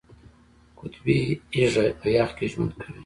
قطبي هیږه په یخ کې ژوند کوي